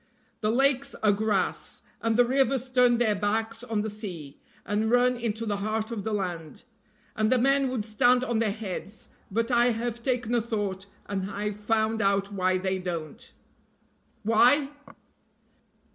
The lakes are grass, and the rivers turn their backs on the sea and run into the heart of the land; and the men would stand on their heads, but I have taken a thought, and I've found out why they don't." "Why?"